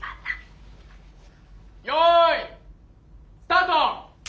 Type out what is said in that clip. よいスタート！